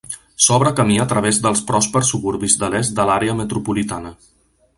S'obre camí a través dels pròspers suburbis de l'est de l'àrea metropolitana.